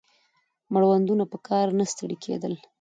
مړوندونه په کار نه ستړي کېدل